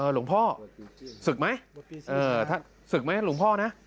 หลวงพ่อศึกไหมถ้าศึกไหมหลวงพ่อนะ